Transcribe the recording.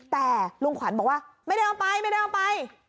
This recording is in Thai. แต่ลุงขวัญบอกว่าไม่ได้เอาไปไม่ได้เอาไป